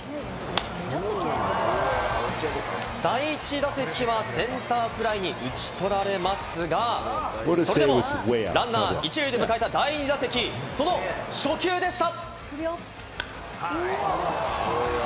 第１打席はセンターフライに打ち取られますが、それでもランナー１塁で迎えた第２打席、その初球でした。